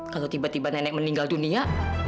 kalau tiba tiba nenek meninggal dunia